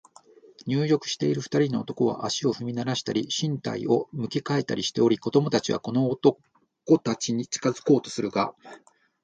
入浴している二人の男は、足を踏みならしたり、身体を向き変えたりしており、子供たちはこの男たちに近づこうとするが、